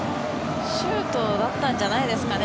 シュートだったんじゃないですかね。